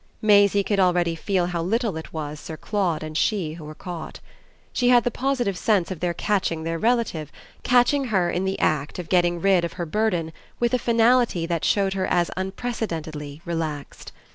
Maisie could already feel how little it was Sir Claude and she who were caught. She had the positive sense of their catching their relative, catching her in the act of getting rid of her burden with a finality that showed her as unprecedentedly relaxed.